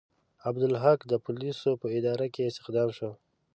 عبدالحق د پولیسو په اداره کې استخدام شو.